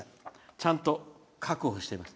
ちゃんと確保しています。